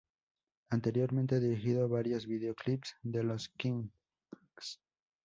Anteriormente, dirigió varios videoclips de Los Kinks.